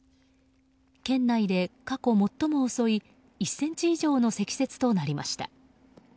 県内で過去最も遅い１ｃｍ以上の積雪となりました。